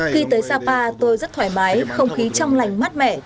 khi tới sapa tôi rất thoải mái không khí trong lành mát mẻ